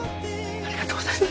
ありがとうございます。